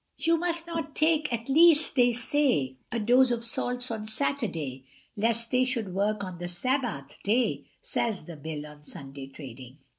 You must not take, at least, they say, A dose of salts on Saturday, Lest they should work on the Sabbath day, Says the Bill on Sunday trading.